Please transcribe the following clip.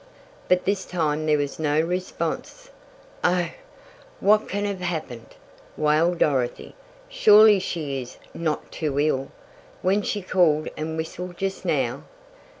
But this time there was no response. "Oh, what can have happened?" wailed Dorothy. "Surely she is not too ill when she called and whistled just now."